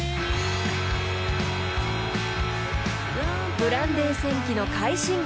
［ブランデー戦記の快進撃